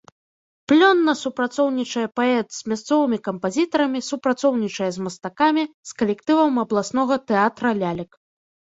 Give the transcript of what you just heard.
Плённа супрацоўнічае паэт з мясцовымі кампазітарамі, супрацоўнічае з мастакамі, з калектывам абласнога тэатра лялек.